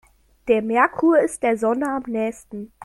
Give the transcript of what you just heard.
Der Merkur ist der Sonne am nähesten.